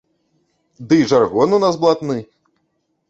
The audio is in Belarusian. Ды і жаргон у нас блатны!